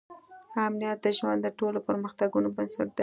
امنیت د ژوند د ټولو پرمختګونو بنسټ دی.